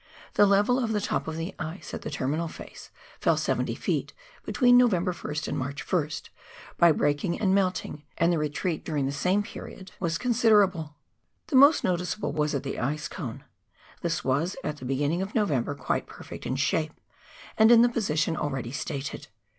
The level of the top of the ice, at the terminal face, fell 70 ft. — between November 1st and March 1st — by breaking and melting, and the retreat during the same period was con PkCTCH — Pl/»N, siderable. The most noticeable was at the ice cone ; this was, at the beginning of November, quite perfect in shape, and in the position already stated.